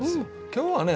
今日はね